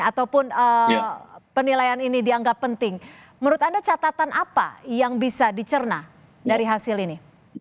ataupun penilaian ini dianggap penting menurut anda catatan apa yang bisa dicerna dari hasil ini